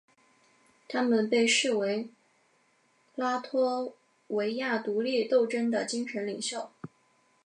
他们被视为拉脱维亚独立斗争的精神领袖。